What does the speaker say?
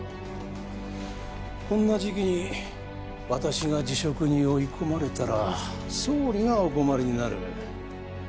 こんな時期に私が辞職に追い込まれたら総理がお困りになる。